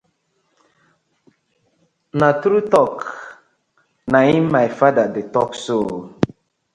Na true talk na im my father de talk so.